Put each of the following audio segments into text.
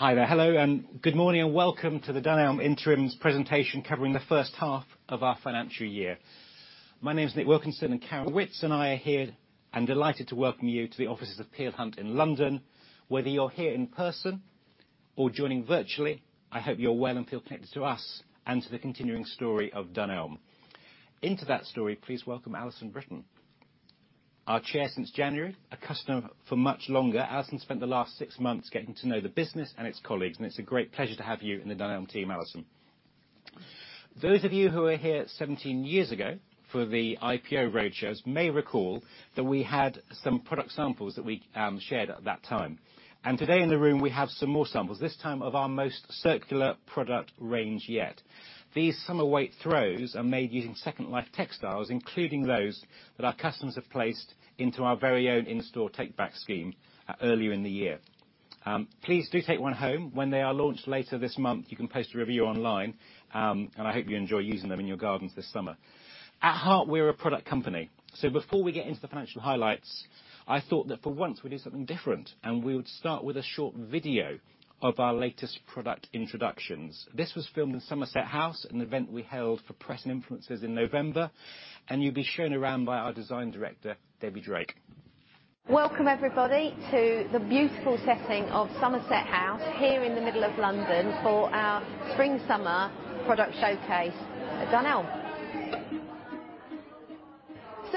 Hi there. Hello, and good morning, and welcome to the Dunelm Interims presentation covering the first half of our financial year. My name is Nick Wilkinson, and Karen Witts and I are here and delighted to welcome you to the offices of Peel Hunt in London. Whether you're here in person or joining virtually, I hope you're well and feel connected to us and to the continuing story of Dunelm. Into that story, please welcome Alison Brittain. Our Chair since January, a customer for much longer, Alison spent the last six months getting to know the business and its colleagues, and it's a great pleasure to have you in the Dunelm team, Alison. Those of you who were here 17 years ago for the IPO roadshows may recall that we had some product samples that we shared at that time. Today in the room we have some more samples, this time of our most circular product range yet. These summer weight throws are made using second life textiles, including those that our customers have placed into our very own in-store take-back scheme earlier in the year. Please do take one home. When they are launched later this month, you can post a review online, and I hope you enjoy using them in your gardens this summer. At heart, we're a product company, so before we get into the financial highlights, I thought that for once we'd do something different, and we would start with a short video of our latest product introductions. This was filmed in Somerset House, an event we held for press and influencers in November, and you'll be shown around by our Design Director, Debbie Drake. Welcome, everybody, to the beautiful setting of Somerset House here in the middle of London for our spring/summer product showcase at Dunelm.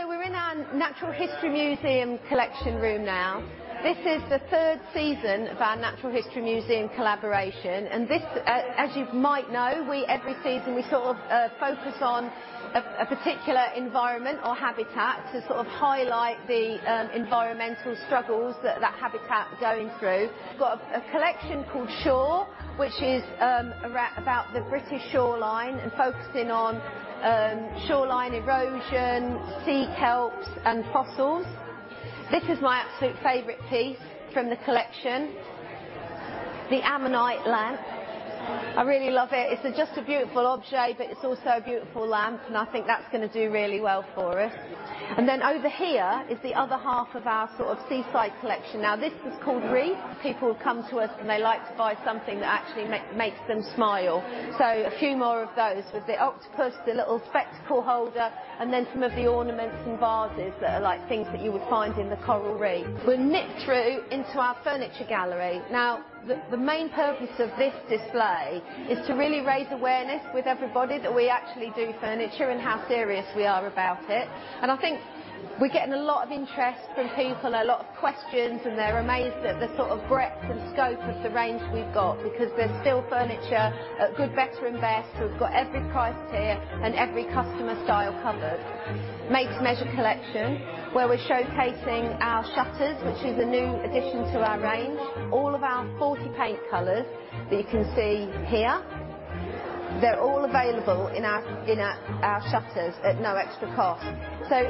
We're in our Natural History Museum collection room now. This is the third season of our Natural History Museum collaboration, and this, as you might know, every season we sort of focus on a particular environment or habitat to sort of highlight the environmental struggles that that habitat is going through. Got a collection called Shore, which is around, about the British shoreline and focusing on shoreline erosion, sea kelps and fossils. This is my absolute favorite piece from the collection, the Ammonite lamp. I really love it. It's just a beautiful objet, but it's also a beautiful lamp, and I think that's gonna do really well for us. Over here is the other half of our sort of seaside collection. This is called Reef. People come to us, and they like to buy something that actually makes them smile. A few more of those. There's the octopus, the little spectacle holder, and then some of the ornaments and vases that are like things that you would find in the coral reef. We'll nip through into our furniture gallery. The main purpose of this display is to really raise awareness with everybody that we actually do furniture and how serious we are about it. I think we're getting a lot of interest from people, a lot of questions, and they're amazed at the sort of breadth and scope of the range we've got because there's still furniture at good, better, and best. We've got every price tier and every customer style covered. Made to measure collection where we're showcasing our shutters, which is a new addition to our range. All of our 40 paint colors that you can see here, they're all available in our shutters at no extra cost.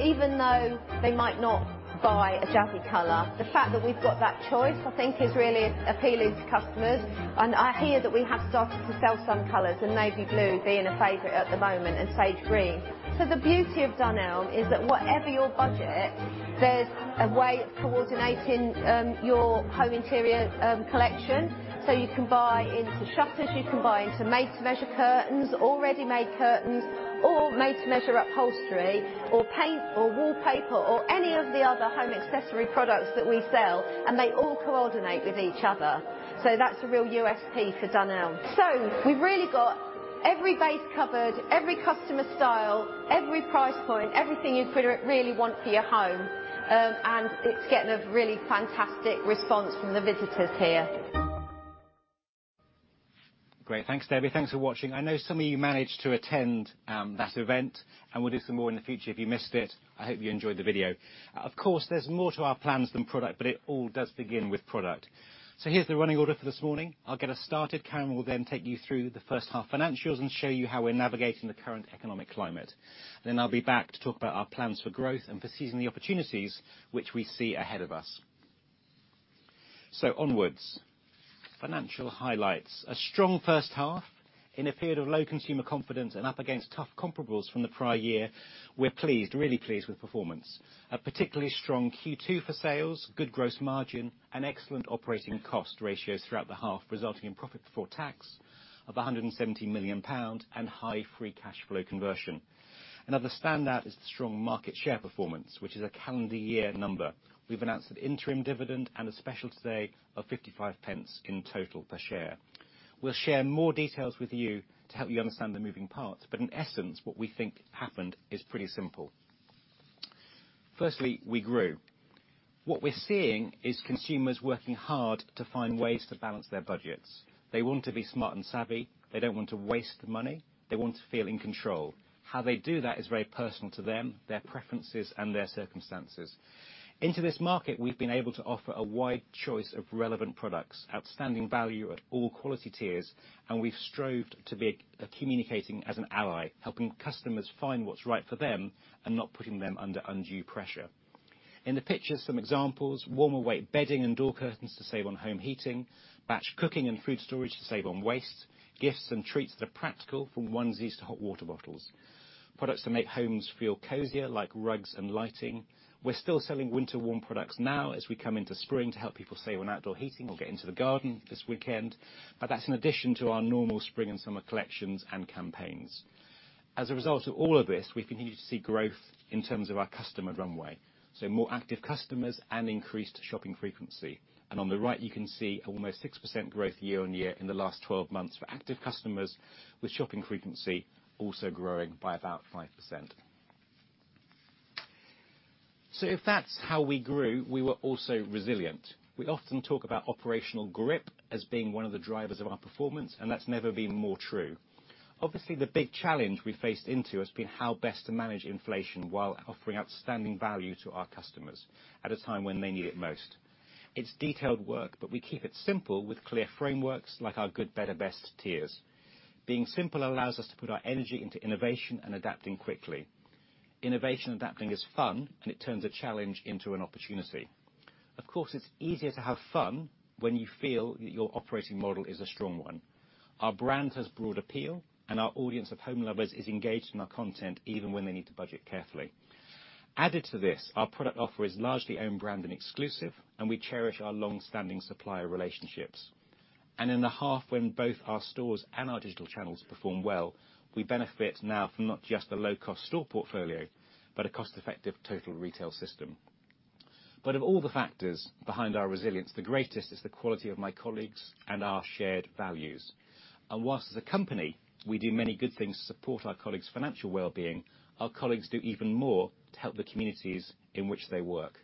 Even though they might not buy a jazzy color, the fact that we've got that choice I think is really appealing to customers, and I hear that we have started to sell some colors and navy blue being a favorite at the moment and sage green. The beauty of Dunelm is that whatever your budget, there's a way of coordinating your home interior collection so you can buy into shutters, you can buy into made to measure curtains or ready-made curtains or made to measure upholstery or paint or wallpaper or any of the other home accessory products that we sell, and they all coordinate with each other. That's a real USP for Dunelm. We've really got every base covered, every customer style, every price point, everything you could really want for your home, and it's getting a really fantastic response from the visitors here. Great. Thanks, Debbie. Thanks for watching. I know some of you managed to attend, that event, and we'll do some more in the future. If you missed it, I hope you enjoyed the video. Of course, there's more to our plans than product, but it all does begin with product. Here's the running order for this morning. I'll get us started. Karen will then take you through the first half financials and show you how we're navigating the current economic climate. I'll be back to talk about our plans for growth and for seizing the opportunities which we see ahead of us. Onwards. Financial highlights. A strong first half in a period of low consumer confidence and up against tough comparables from the prior year. We're pleased, really pleased with performance. A particularly strong Q2 for sales, good gross margin, excellent operating cost ratios throughout the half, resulting in profit before tax of 170 million pound and high free cash flow conversion. Another standout is the strong market share performance, which is a calendar year number. We've announced an interim dividend and a special today of 55 pence in total per share. We'll share more details with you to help you understand the moving parts, but in essence, what we think happened is pretty simple. Firstly, we grew. What we're seeing is consumers working hard to find ways to balance their budgets. They want to be smart and savvy. They don't want to waste money. They want to feel in control. How they do that is very personal to them, their preferences, and their circumstances. Into this market, we've been able to offer a wide choice of relevant products, outstanding value at all quality tiers, and we've strove to be communicating as an ally, helping customers find what's right for them and not putting them under undue pressure. In the picture, some examples, warmer weight bedding and door curtains to save on home heating, batch cooking and food storage to save on waste, gifts and treats that are practical from onesies to hot water bottles. Products that make homes feel cozier like rugs and lighting. We're still selling winter warm products now as we come into spring to help people save on outdoor heating or get into the garden this weekend. That's in addition to our normal spring and summer collections and campaigns. As a result of all of this, we continue to see growth in terms of our customer runway. More active customers and increased shopping frequency. On the right you can see almost 6% growth year-on-year in the last 12 months for active customers with shopping frequency also growing by about 5%. If that's how we grew, we were also resilient. We often talk about operational grip as being one of the drivers of our performance, and that's never been more true. Obviously, the big challenge we faced into has been how best to manage inflation while offering outstanding value to our customers at a time when they need it most. It's detailed work, but we keep it simple with clear frameworks like our good, better, best tiers. Being simple allows us to put our energy into innovation and adapting quickly. Innovation adapting is fun, and it turns a challenge into an opportunity. Of course, it's easier to have fun when you feel that your operating model is a strong one. Our brand has broad appeal and our audience of home lovers is engaged in our content even when they need to budget carefully. Added to this, our product offer is largely own brand and exclusive, and we cherish our long-standing supplier relationships. In the half when both our stores and our digital channels perform well, we benefit now from not just the low-cost store portfolio, but a cost-effective total retail system. Of all the factors behind our resilience, the greatest is the quality of my colleagues and our shared values. Whilst as a company, we do many good things to support our colleagues' financial well-being, our colleagues do even more to help the communities in which they work.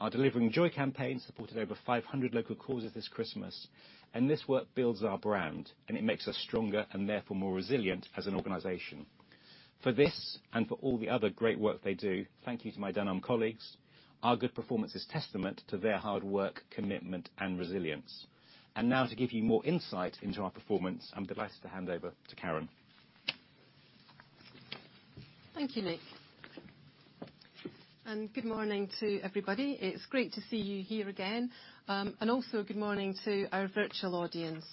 Our Delivering Joy campaign supported over 500 local causes this Christmas, and this work builds our brand, and it makes us stronger and therefore more resilient as an organization. For this and for all the other great work they do, thank you to my Dunelm colleagues. Our good performance is testament to their hard work, commitment, and resilience. Now to give you more insight into our performance, I'm delighted to hand over to Karen. Thank you, Nick. Good morning to everybody. It's great to see you here again. And also good morning to our virtual audience.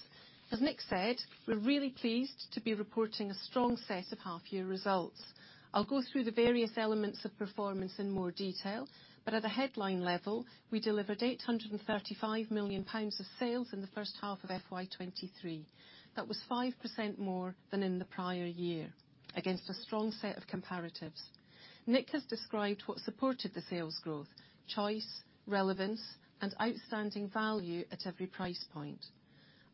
As Nick said, we're really pleased to be reporting a strong set of half year results. I'll go through the various elements of performance in more detail, but at a headline level, we delivered 835 million pounds of sales in the first half of FY 2023. That was 5% more than in the prior year against a strong set of comparatives. Nick has described what supported the sales growth, choice, relevance, and outstanding value at every price point.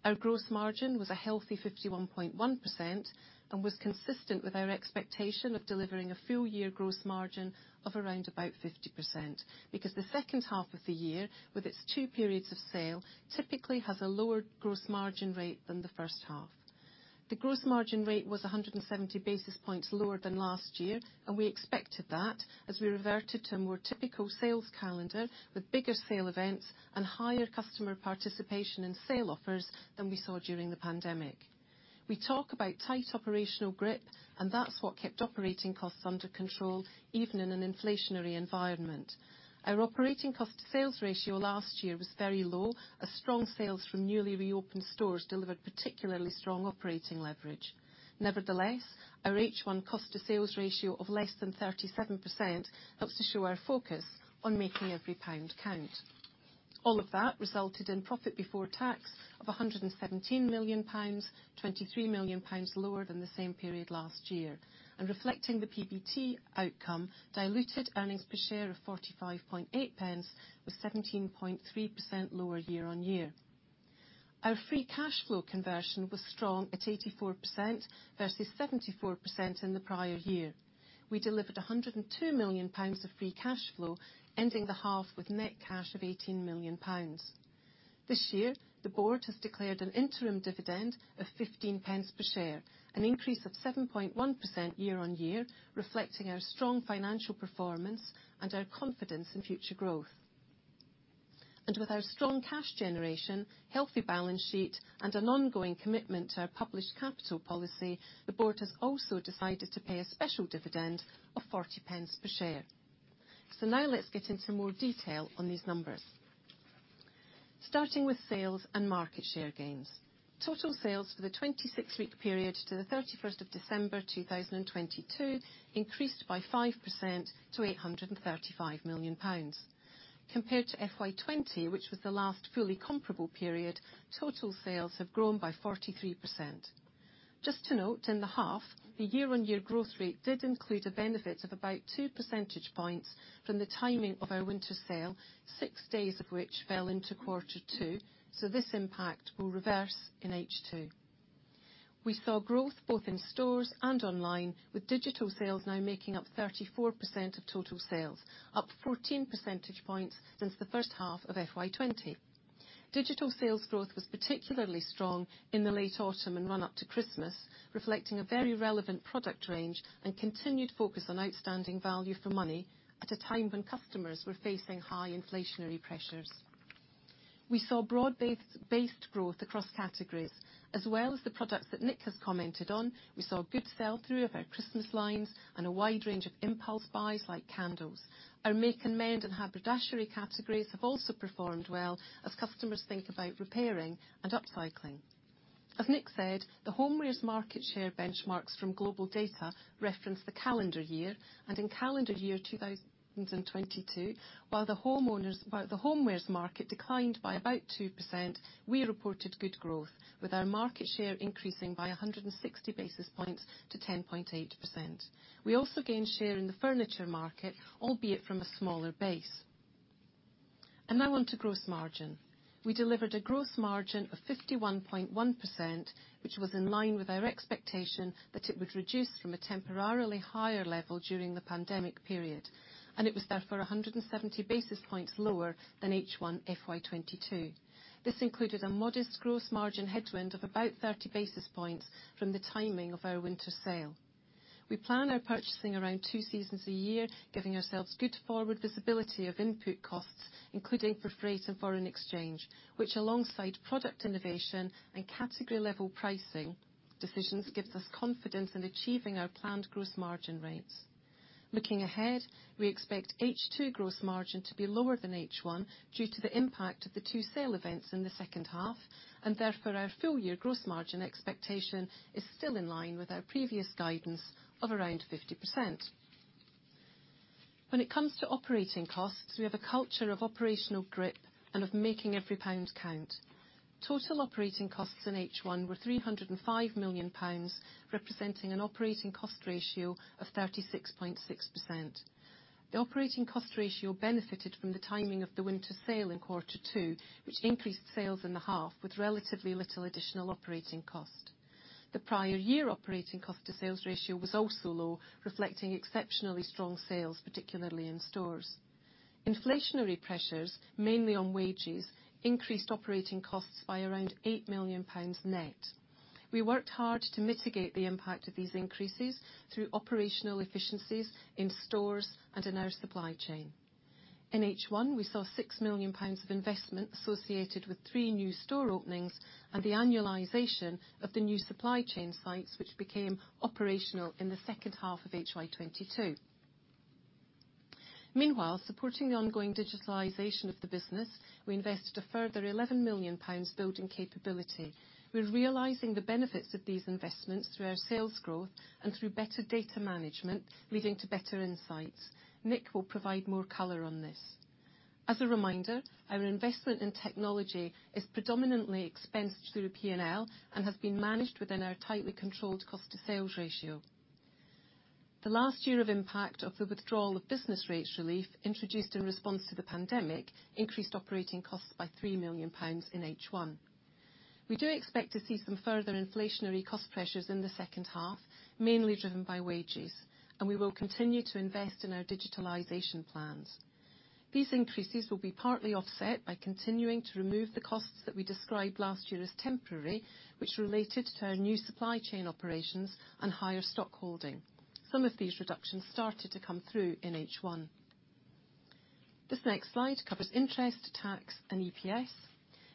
Our gross margin was a healthy 51.1% and was consistent with our expectation of delivering a full year gross margin of around about 50% because the second half of the year, with its two periods of sale, typically has a lower gross margin rate than the first half. We expected that as we reverted to a more typical sales calendar with bigger sale events and higher customer participation in sale offers than we saw during the pandemic. That's what kept operating costs under control even in an inflationary environment. Our operating cost to sales ratio last year was very low as strong sales from newly reopened stores delivered particularly strong operating leverage. Nevertheless, our H1 cost to sales ratio of less than 37% helps to show our focus on making every pound count. All of that resulted in PBT of 117 million pounds, 23 million pounds lower than the same period last year. Reflecting the PBT outcome, diluted EPS of 0.458 was 17.3% lower year-on-year. Our free cash flow conversion was strong at 84% versus 74% in the prior year. We delivered 102 million pounds of free cash flow, ending the half with net cash of 18 million pounds. This year, the board has declared an interim dividend of 0.15 per share, an increase of 7.1% year-on-year, reflecting our strong financial performance and our confidence in future growth. With our strong cash generation, healthy balance sheet, and an ongoing commitment to our published capital policy, the board has also decided to pay a special dividend of 0.40 per share. Now let's get into more detail on these numbers. Starting with sales and market share gains. Total sales for the 26-week period to the 31st of December 2022 increased by 5% to 835 million pounds. Compared to FY 2020, which was the last fully comparable period, total sales have grown by 43%. Just to note, in the half, the year-on-year growth rate did include a benefit of about 2 percentage points from the timing of our winter sale, 6 days of which fell into Q2, so this impact will reverse in H2. We saw growth both in stores and online, with digital sales now making up 34% of total sales, up 14 percentage points since the first half of FY 2020. Digital sales growth was particularly strong in the late autumn and run up to Christmas, reflecting a very relevant product range and continued focus on outstanding value for money at a time when customers were facing high inflationary pressures. We saw broad-based growth across categories. As well as the products that Nick has commented on, we saw a good sell-through of our Christmas lines and a wide range of impulse buys, like candles. Our make and mend and haberdashery categories have also performed well as customers think about repairing and upcycling. As Nick said, the homewares market share benchmarks from GlobalData reference the calendar year, and in calendar year 2022, while the homewares market declined by about 2%, we reported good growth, with our market share increasing by 160 basis points to 10.8%. We also gained share in the furniture market, albeit from a smaller base. Now on to gross margin. We delivered a gross margin of 51.1%, which was in line with our expectation that it would reduce from a temporarily higher level during the pandemic period. It was therefore 170 basis points lower than H1 FY 2022. This included a modest gross margin headwind of about 30 basis points from the timing of our winter sale. We plan our purchasing around two seasons a year, giving ourselves good forward visibility of input costs, including for freight and foreign exchange, which alongside product innovation and category-level pricing decisions, gives us confidence in achieving our planned gross margin rates. Looking ahead, we expect H2 gross margin to be lower than H1 due to the impact of the sale sale events in the second half, and therefore, our full year gross margin expectation is still in line with our previous guidance of around 50%. When it comes to operating costs, we have a culture of operational grip and of making every pound count. Total operating costs in H1 were 305 million pounds, representing an operating cost ratio of 36.6%. The operating cost ratio benefited from the timing of the winter sale in quarter two, which increased sales in the half with relatively little additional operating cost. The prior year operating cost to sales ratio was also low, reflecting exceptionally strong sales, particularly in stores. Inflationary pressures, mainly on wages, increased operating costs by around 8 million pounds net. We worked hard to mitigate the impact of these increases through operational efficiencies in stores and in our supply chain. In H1, we saw 6 million pounds of investment associated with three new store openings and the annualization of the new supply chain sites, which became operational in the second half of FY 2022. Meanwhile, supporting the ongoing digitalization of the business, we invested a further 11 million pounds building capability. We're realizing the benefits of these investments through our sales growth and through better data management, leading to better insights. Nick will provide more color on this. As a reminder, our investment in technology is predominantly expensed through P&L and has been managed within our tightly controlled cost to sales ratio. The last year of impact of the withdrawal of business rates relief, introduced in response to the pandemic, increased operating costs by 3 million pounds in H1. We do expect to see some further inflationary cost pressures in the second half, mainly driven by wages, and we will continue to invest in our digitalization plans. These increases will be partly offset by continuing to remove the costs that we described last year as temporary, which related to our new supply chain operations and higher stockholding. Some of these reductions started to come through in H1. This next slide covers interest, tax, and EPS.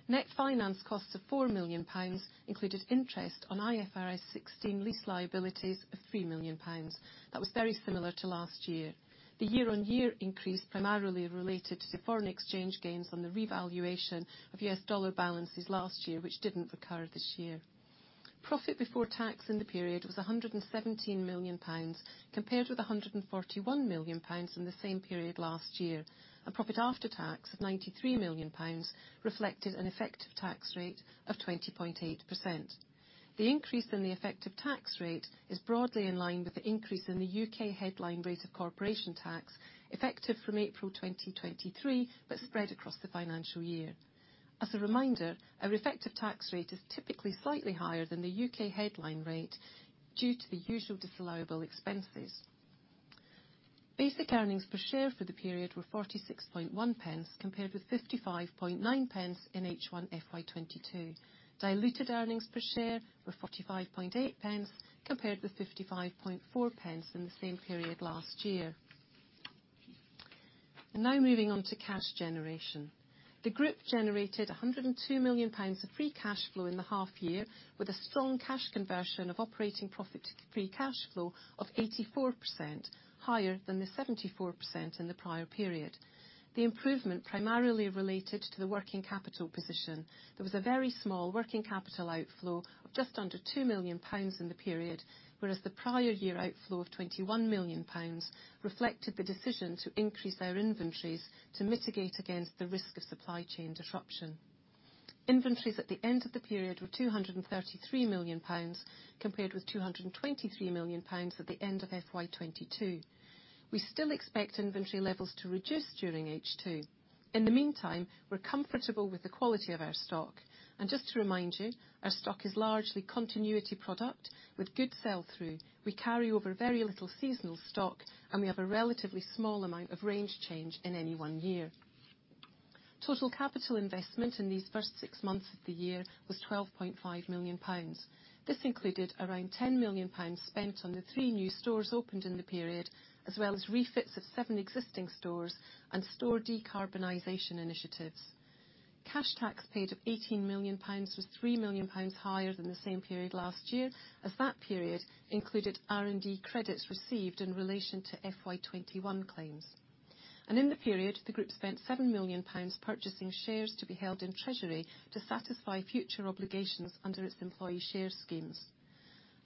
Net finance costs of 4 million pounds included interest on IFRS 16 lease liabilities of 3 million pounds. That was very similar to last year. The year-on-year increase primarily related to foreign exchange gains on the revaluation of US dollar balances last year, which didn't recur this year. Profit before tax in the period was 117 million pounds, compared with 141 million pounds in the same period last year. A profit after tax of 93 million pounds reflected an effective tax rate of 20.8%. The increase in the effective tax rate is broadly in line with the increase in the U.K. headline rate of Corporation Tax, effective from April 2023, but spread across the financial year. As a reminder, our effective tax rate is typically slightly higher than the U.K. Headline rate due to the usual disallowable expenses. Basic EPS for the period were 46.1 compared with 55.9 in H1 FY 2022. Diluted EPS were 45.8 compared with 55.4 in the same period last year. Moving on to cash generation. The group generated 102 million pounds of free cash flow in the half year with a strong cash conversion of operating profit to free cash flow of 84%, higher than the 74% in the prior period. The improvement primarily related to the working capital position. There was a very small working capital outflow of just under 2 million pounds in the period, whereas the prior year outflow of 21 million pounds reflected the decision to increase our inventories to mitigate against the risk of supply chain disruption. Inventories at the end of the period were 233 million pounds, compared with 223 million pounds at the end of FY 2022. We still expect inventory levels to reduce during H2. In the meantime, we're comfortable with the quality of our stock. Just to remind you, our stock is largely continuity product with good sell-through. We carry over very little seasonal stock, and we have a relatively small amount of range change in any one year. Total capital investment in these first six months of the year was 12.5 million pounds. This included around 10 million pounds spent on the three new stores opened in the period, as well as refits of seven existing stores and store decarbonization initiatives. Cash tax paid of 18 million pounds was 3 million pounds higher than the same period last year, as that period included R&D credits received in relation to FY 2021 claims. In the period, the group spent 7 million pounds purchasing shares to be held in treasury to satisfy future obligations under its employee share schemes.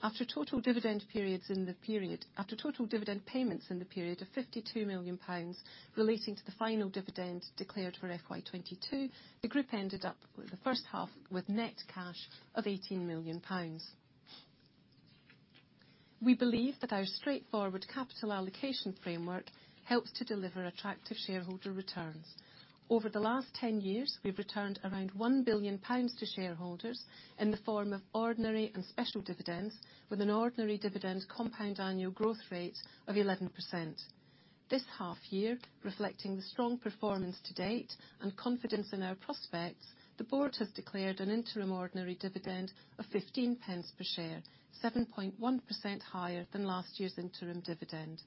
After total dividend payments in the period of GBP 52 million relating to the final dividend declared for FY 2022, the group ended up with the first half with net cash of 18 million pounds. We believe that our straightforward capital allocation framework helps to deliver attractive shareholder returns. Over the last 10 years, we've returned around 1 billion pounds to shareholders in the form of ordinary and special dividends, with an ordinary dividend compound annual growth rate of 11%. This half year, reflecting the strong performance to date and confidence in our prospects, the board has declared an interim ordinary dividend of 0.15 per share, 7.1% higher than last year's interim dividend.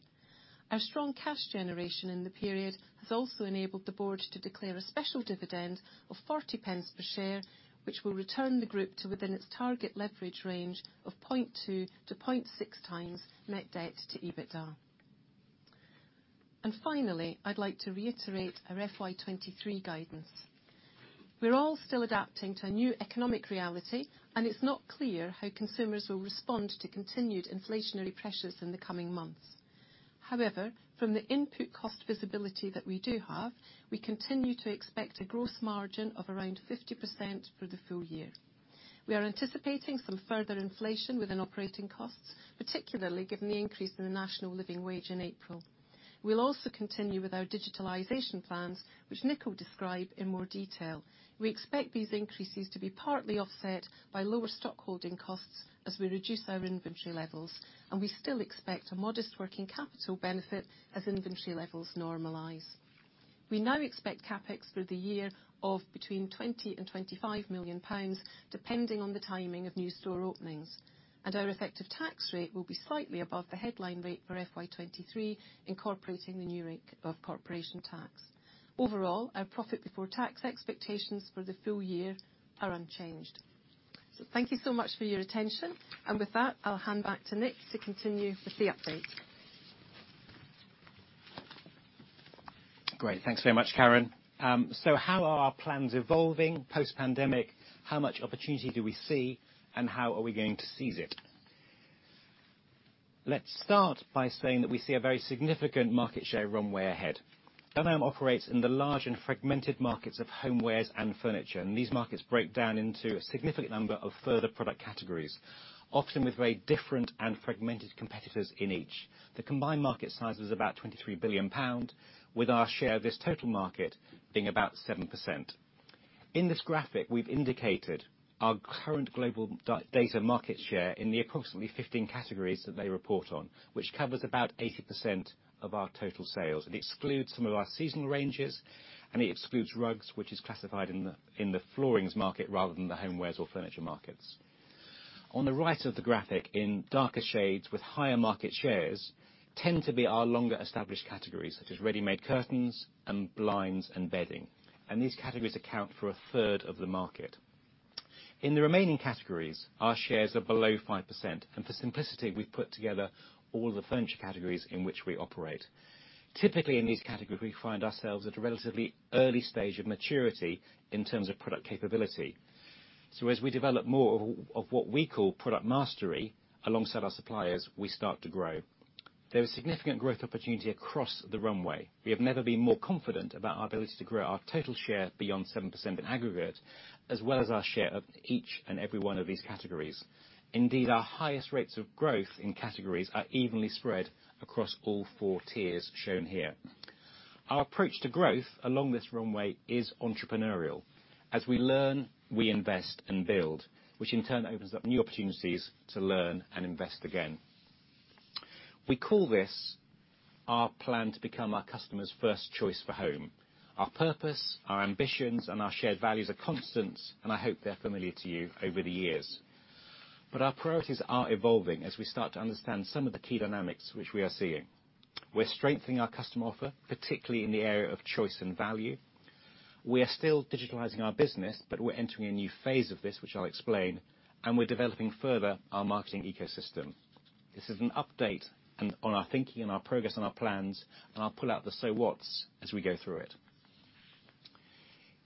Our strong cash generation in the period has also enabled the board to declare a special dividend of 0.40 per share, which will return the group to within its target leverage range of 0.2-0.6x net debt to EBITDA. Finally, I'd like to reiterate our FY 2023 guidance. We're all still adapting to a new economic reality, and it's not clear how consumers will respond to continued inflationary pressures in the coming months. From the input cost visibility that we do have, we continue to expect a growth margin of around 50% for the full year. We are anticipating some further inflation within operating costs, particularly given the increase in the National Living Wage in April. We'll also continue with our digitalization plans, which Nick will describe in more detail. We expect these increases to be partly offset by lower stockholding costs as we reduce our inventory levels, and we still expect a modest working capital benefit as inventory levels normalize. We now expect CapEx for the year of between 20 million and 25 million pounds, depending on the timing of new store openings. Our effective tax rate will be slightly above the headline rate for FY 2023, incorporating the new rate of Corporation Tax. Overall, our profit before tax expectations for the full year are unchanged. Thank you so much for your attention. With that, I'll hand back to Nick to continue with the update. Great. Thanks very much, Karen. How are our plans evolving post-pandemic? How much opportunity do we see, and how are we going to seize it? Let's start by saying that we see a very significant market share runway ahead. Dunelm operates in the large and fragmented markets of homewares and furniture, and these markets break down into a significant number of further product categories, often with very different and fragmented competitors in each. The combined market size is about GBP 23 billion, with our share of this total market being about 7%. In this graphic, we've indicated our current GlobalData market share in the approximately 15 categories that they report on, which covers about 80% of our total sales. It excludes some of our seasonal ranges. It excludes rugs, which is classified in the floorings market rather than the homewares or furniture markets. On the right of the graphic, in darker shades with higher market shares, tend to be our longer-established categories, such as ready-made curtains and blinds and bedding. These categories account for 1/3 of the market. In the remaining categories, our shares are below 5%. For simplicity, we've put together all the furniture categories in which we operate. Typically, in these categories, we find ourselves at a relatively early stage of maturity in terms of product capability. As we develop more of what we call product mastery alongside our suppliers, we start to grow. There is significant growth opportunity across the runway. We have never been more confident about our ability to grow our total share beyond 7% in aggregate, as well as our share of each and every one of these categories. Indeed, our highest rates of growth in categories are evenly spread across all four tiers shown here. Our approach to growth along this runway is entrepreneurial. As we learn, we invest and build, which in turn opens up new opportunities to learn and invest again. We call this our plan to become our customers' first choice for home. Our purpose, our ambitions, and our shared values are constants. I hope they're familiar to you over the years. Our priorities are evolving as we start to understand some of the key dynamics which we are seeing. We're strengthening our customer offer, particularly in the area of choice and value. We are still digitalizing our business. We're entering a new phase of this, which I'll explain, and we're developing further our marketing ecosystem. This is an update on our thinking and our progress and our plans. I'll pull out the so what's as we go through it.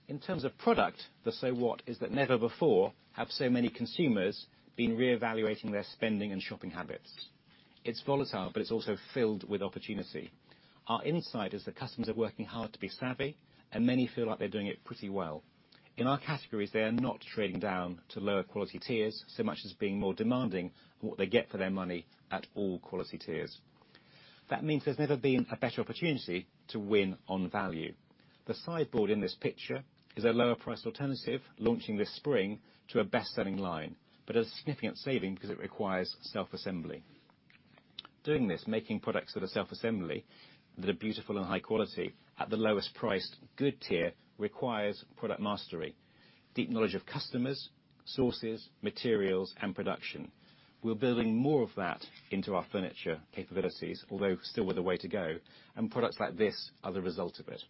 In terms of product, the so what is that never before have so many consumers been reevaluating their spending and shopping habits. It's volatile. It's also filled with opportunity. Our insight is that customers are working hard to be savvy. Many feel like they're doing it pretty well. In our categories, they are not trading down to lower quality tiers so much as being more demanding on what they get for their money at all quality tiers. That means there's never been a better opportunity to win on value. The sideboard in this picture is a lower priced alternative launching this spring to a best-selling line, but at a significant saving because it requires self-assembly. Doing this, making products that are self-assembly, that are beautiful and high quality at the lowest priced good tier requires product mastery. Deep knowledge of customers, sources, materials, and production. We're building more of that into our furniture capabilities, although still with a way to go, and products like this are the result of it.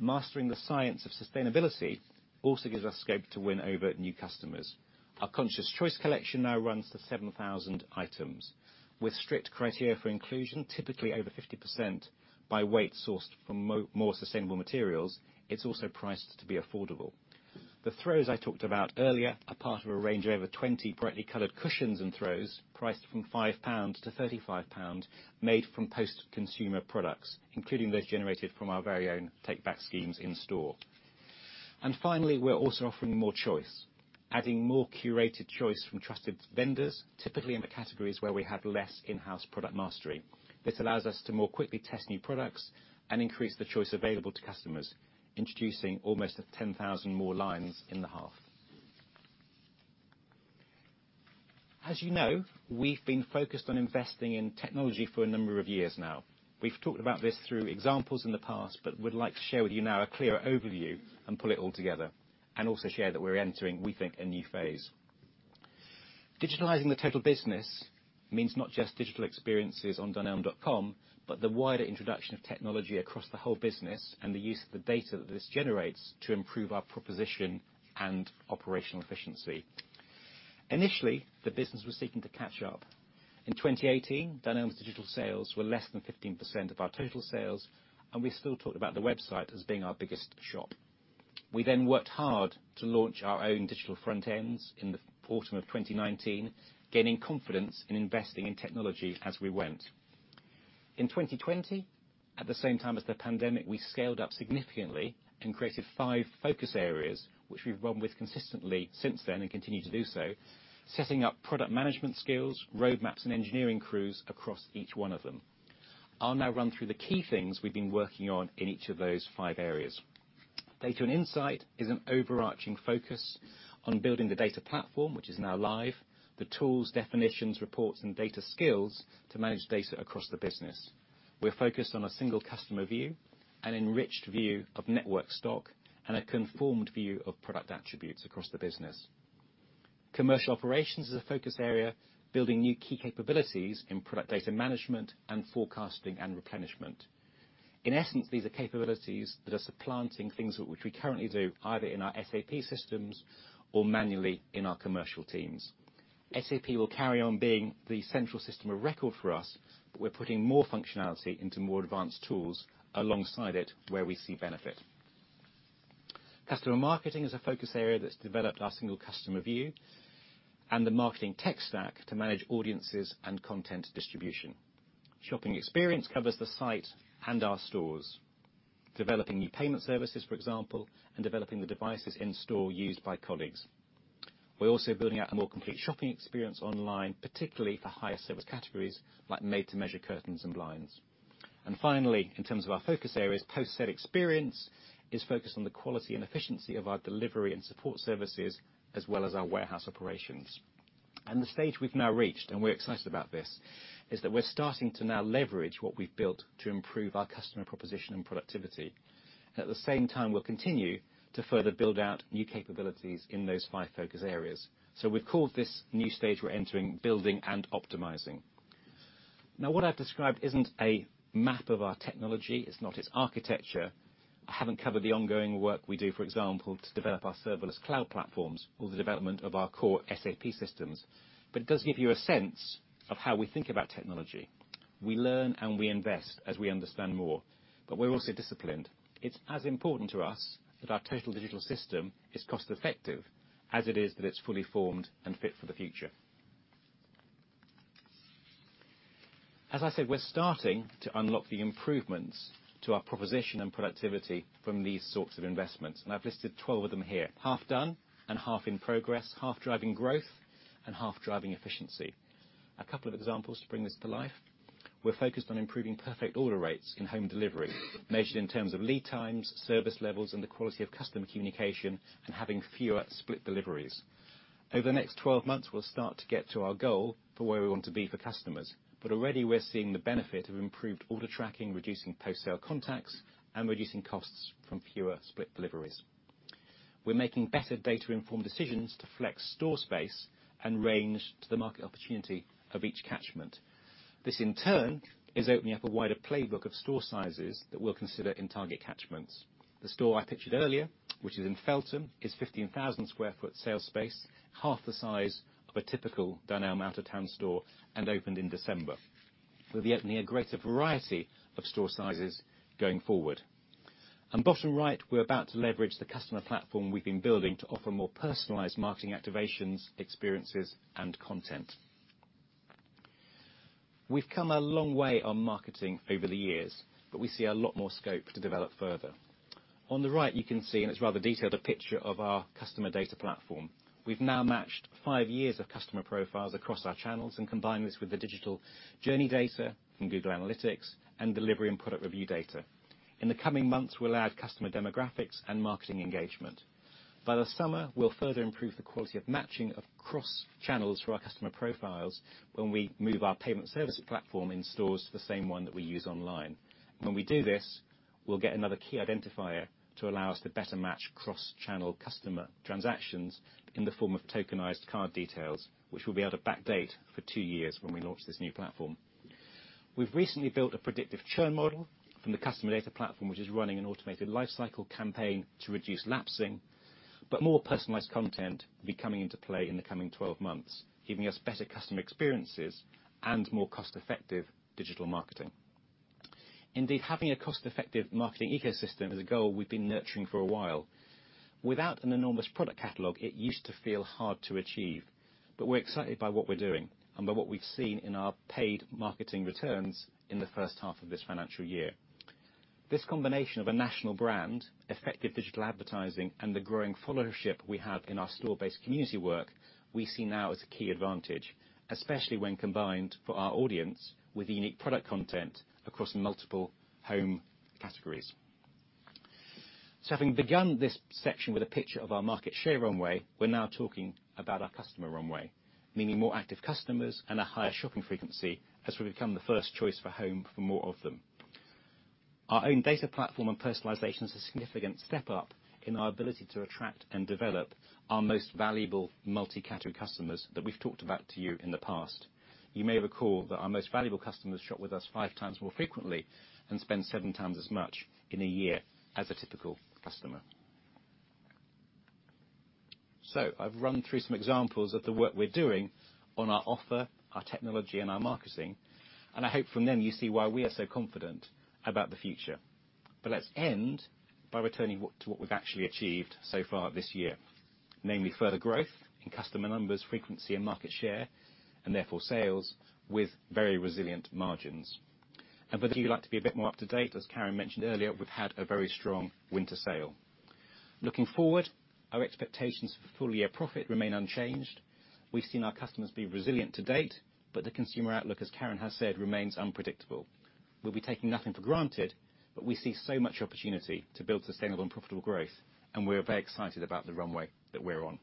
Mastering the science of sustainability also gives us scope to win over new customers. Our Conscious Choice collection now runs to 7,000 items. With strict criteria for inclusion, typically over 50% by weight sourced from more sustainable materials, it's also priced to be affordable. The throws I talked about earlier are part of a range of over 20 brightly colored cushions and throws priced from 5-35 pounds made from post-consumer products, including those generated from our very own take-back schemes in store. Finally, we're also offering more choice, adding more curated choice from trusted vendors, typically in the categories where we have less in-house product mastery. This allows us to more quickly test new products and increase the choice available to customers, introducing almost 10,000 more lines in the half. As you know, we've been focused on investing in technology for a number of years now. We've talked about this through examples in the past, but we'd like to share with you now a clearer overview and pull it all together, and also share that we're entering, we think, a new phase. Digitalizing the total business means not just digital experiences on dunelm.com, but the wider introduction of technology across the whole business, and the use of the data that this generates to improve our proposition and operational efficiency. Initially, the business was seeking to catch up. In 2018, Dunelm's digital sales were less than 15% of our total sales, and we still talked about the website as being our biggest shop. We worked hard to launch our own digital front-ends in the autumn of 2019, gaining confidence in investing in technology as we went. In 2020, at the same time as the pandemic, we scaled up significantly and created five focus areas, which we've run with consistently since then and continue to do so. Setting up product management skills, roadmaps, and engineering crews across each one of them. I'll now run through the key things we've been working on in each of those five areas. Data and insight is an overarching focus on building the data platform, which is now live. The tools, definitions, reports, and data skills to manage data across the business. We're focused on a single customer view, an enriched view of network stock, and a conformed view of product attributes across the business. Commercial operations is a focus area, building new key capabilities in product data management and forecasting and replenishment. In essence, these are capabilities that which are supplanting things that which we currently do, either in our SAP systems or manually in our commercial teams. SAP will carry on being the central system of record for us, but we're putting more functionality into more advanced tools alongside it where we see benefit. Customer marketing is a focus area that's developed our single customer view and the marketing tech stack to manage audiences and content distribution. Shopping experience covers the site and our stores. Developing new payment services, for example, and developing the devices in store used by colleagues. We're also building out a more complete shopping experience online, particularly for higher service categories, like made to measure curtains and blinds. Finally, in terms of our focus areas, post-sale experience is focused on the quality and efficiency of our delivery and support services, as well as our warehouse operations. The stage we've now reached, and we're excited about this, is that we're starting to now leverage what we've built to improve our customer proposition and productivity. At the same time, we'll continue to further build out new capabilities in those five focus areas. We've called this new stage we're entering building and optimizing. What I've described isn't a map of our technology, it's not its architecture. I haven't covered the ongoing work we do, for example, to develop our serverless cloud platforms or the development of our core SAP systems. It does give you a sense of how we think about technology. We learn and we invest as we understand more, but we're also disciplined. It's as important to us that our total digital system is cost effective as it is that it's fully formed and fit for the future. As I said, we're starting to unlock the improvements to our proposition and productivity from these sorts of investments, and I've listed 12 of them here. Half done and half in progress, half driving growth and half driving efficiency. A couple of examples to bring this to life. We're focused on improving perfect order rates in home delivery, measured in terms of lead times, service levels, and the quality of customer communication, and having fewer split deliveries. Over the next 12 months, we'll start to get to our goal for where we want to be for customers. Already, we're seeing the benefit of improved order tracking, reducing post-sale contacts, and reducing costs from fewer split deliveries. We're making better data-informed decisions to flex store space and range to the market opportunity of each catchment. This in turn is opening up a wider playbook of store sizes that we'll consider in target catchments. The store I pictured earlier, which is in Feltham, is 15,000sq ft sales space, half the size of a typical Dunelm out-of-town store, and opened in December. We'll be opening a greater variety of store sizes going forward. Bottom right, we're about to leverage the customer platform we've been building to offer more personalized marketing activations, experiences, and content. We've come a long way on marketing over the years, but we see a lot more scope to develop further. On the right, you can see, and it's rather detailed a picture of our customer data platform. We've now matched five years of customer profiles across our channels and combined this with the digital journey data from Google Analytics and delivery and product review data. In the coming months, we'll add customer demographics and marketing engagement. By the summer, we'll further improve the quality of matching of cross channels for our customer profiles when we move our payment service platform in stores to the same one that we use online. We'll get another key identifier to allow us to better match cross-channel customer transactions in the form of tokenized card details, which we'll be able to backdate for two years when we launch this new platform. We've recently built a predictive churn model from the customer data platform, which is running an automated lifecycle campaign to reduce lapsing. More personalized content will be coming into play in the coming 12 months, giving us better customer experiences and more cost-effective digital marketing. Indeed, having a cost-effective marketing ecosystem is a goal we've been nurturing for a while. Without an enormous product catalog, it used to feel hard to achieve. We're excited by what we're doing and by what we've seen in our paid marketing returns in the first half of this financial year. This combination of a national brand, effective digital advertising, and the growing followership we have in our store-based community work, we see now as a key advantage, especially when combined for our audience with unique product content across multiple home categories. Having begun this section with a picture of our market share runway, we're now talking about our customer runway, meaning more active customers and a higher shopping frequency as we become the first choice for home for more of them. Our own data platform and personalization is a significant step up in our ability to attract and develop our most valuable multi-category customers that we've talked about to you in the past. You may recall that our most valuable customers shop with us five times more frequently and spend seven times as much in a year as a typical customer. I've run through some examples of the work we're doing on our offer, our technology, and our marketing, and I hope from them you see why we are so confident about the future. Let's end by returning to what we've actually achieved so far this year. Namely, further growth in customer numbers, frequency and market share, and therefore sales with very resilient margins. For those of you who like to be a bit more up-to-date, as Karen Witts mentioned earlier, we've had a very strong winter sale. Looking forward, our expectations for full-year profit remain unchanged. We've seen our customers be resilient to date, but the consumer outlook, as Karen Witts has said, remains unpredictable. We'll be taking nothing for granted, but we see so much opportunity to build sustainable and profitable growth, and we're very excited about the runway that we're on.